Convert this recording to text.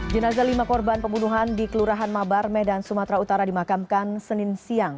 jenazah lima korban pembunuhan di kelurahan mabar medan sumatera utara dimakamkan senin siang